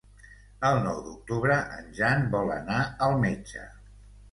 El nou d'octubre en Jan vol anar al metge.